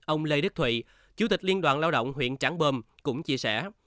ông lê đức thụy chủ tịch liên đoàn lao động huyện trắng bơm cũng chia sẻ